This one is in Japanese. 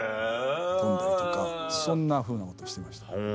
飛んだりとかそんなふうなことしてました。